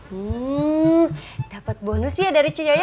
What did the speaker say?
hmm dapat bonus ya dari cuyoyo ya